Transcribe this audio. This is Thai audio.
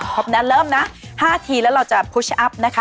นั้นเริ่มนะ๕ทีแล้วเราจะพุชชะอัพนะคะ